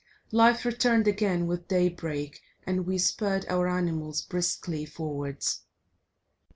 Life returned again with daybreak, and we spurred our animals briskly forwards.